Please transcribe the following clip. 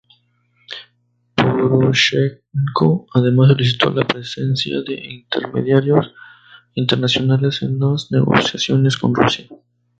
Poroshenko además solicitó la presencia de intermediarios internacionales en las negociaciones con Rusia.